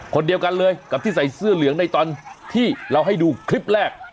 คนเดียวกันเลยกับที่ใส่เสื้อเหลืองในตอนที่เราให้ดูคลิปแรก